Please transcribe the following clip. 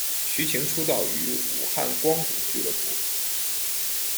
徐擎出道于武汉光谷俱乐部。